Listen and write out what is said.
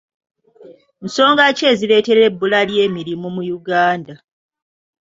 Nsonga ki ezireetera ebbula ly'emirimu mu Uganda?